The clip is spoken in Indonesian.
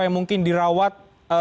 yang mungkin dirawat